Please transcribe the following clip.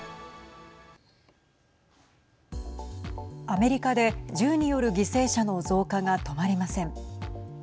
アメリカで銃による犠牲者の増加が止まりません。